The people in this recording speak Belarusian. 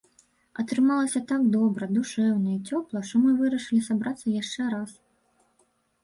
Атрымалася так добра, душэўна і цёпла, што мы вырашылі сабрацца яшчэ раз.